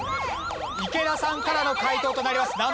池田さんからの解答となります。